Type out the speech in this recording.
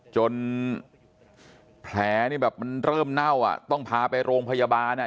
จนแผลนี่แบบมันเริ่มเน่าอ่ะต้องพาไปโรงพยาบาลอ่ะ